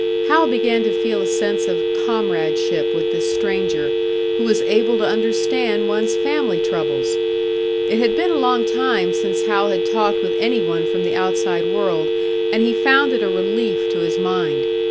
Hal began to feel a sense of comradeship with this stranger, who was able to understand one's family troubles! It had been a long time since Hal had talked with any one from the outside world, and he found it a relief to his mind.